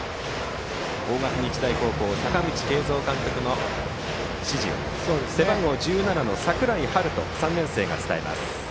大垣日大高校阪口慶三監督の指示を背番号１７の櫻井温大３年生が伝えます。